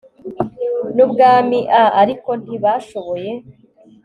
n ubwami a ariko ntibashoboye